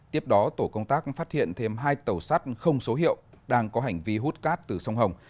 tiếp đó tổ công tác phát hiện thêm hai tàu sắt không số hiệu đang có hành vi hút cát từ sông hồng